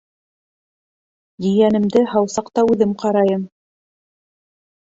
Ейәнемде һау саҡта үҙем ҡарайым.